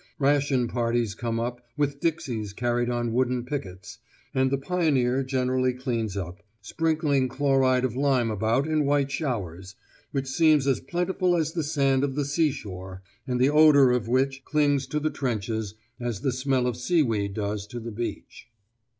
Ration parties come up with dixies carried on wooden pickets, and the pioneer generally cleans up, sprinkling chloride of lime about in white showers, which seems as plentiful as the sand of the seashore, and the odour of which clings to the trenches, as the smell of seaweed does to the beach.